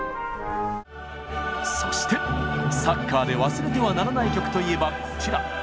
そしてサッカーで忘れてはならない曲といえばこちら。